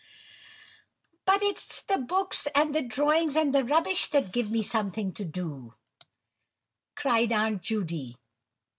"But it's the books, and the drawings, and the rubbish that give me something to do," cried Aunt Judy.